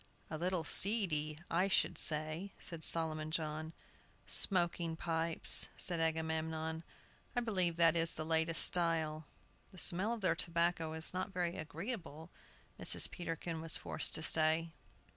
"A little seedy, I should say," said Solomon John. "Smoking pipes," said Agamemnon; "I believe that is the latest style." "The smell of their tobacco is not very agreeable," Mrs. Peterkin was forced to say.